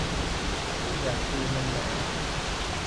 อยากดูมุมไหน